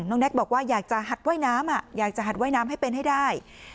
แน็กบอกว่าอยากจะหัดว่ายน้ำอยากจะหัดว่ายน้ำให้เป็นให้ได้